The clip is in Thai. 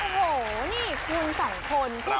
โอ้โหนี่คุณสวัสดีครับ